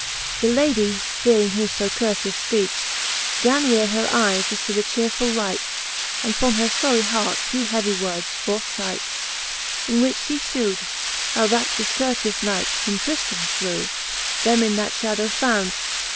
The Ladie, hearing his fo courteous fpeach, Gan reare her eyes as to the chearefuU light, And from her iory hart (tw heavie words forth ligh't. XLIII. In which fhe fhew'd, how that difcourteous knight, Whom Trifiram flew, them in that fhadow found.